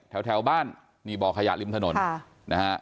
แถวบ้านนี่บ่อขยะริมถนนนะฮะ